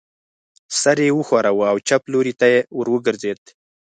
سر یې و ښوراوه او چپ لوري ته ور وګرځېد.